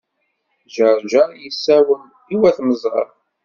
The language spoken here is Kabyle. Ǧeṛǧeṛ yessawel i wat Mẓab.